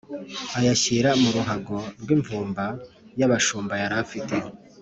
ayashyira mu ruhago rw’imvumba y’abashumba yari afite